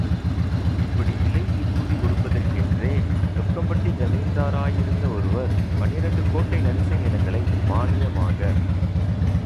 இப்படி இலை விபூதி கொடுப்பதற்கென்றே சொக்கம்பட்டி ஜமீன்தாராயிருந்த ஒருவர் பனிரண்டு கோட்டை நன்செய் நிலங்களை மானியமாக விட்டிருந்தாராம்.